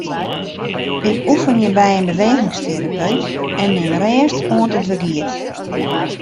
Ik oefenje by in bewegingsterapeut en nim rêst oant it wer giet.